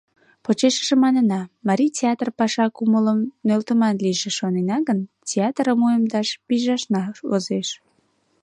Почешыже манына: Марий театр паша кумылым нӧлтыман лийже шонена гын, театрым уэмдаш пижашна возеш.